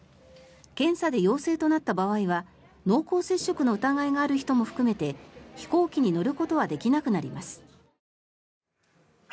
検査で陽性となった場合は濃厚接触の疑いのある人も含めて飛行機に乗ることはできなくなります。